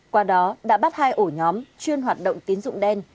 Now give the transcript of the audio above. qua đó đã bắt hai ổ nhóm chuyên hoạt động tín dụng đen